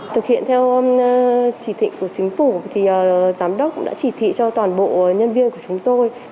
thực hiện theo chỉ thị của chính phủ thì giám đốc đã chỉ thị cho toàn bộ nhân viên của chúng tôi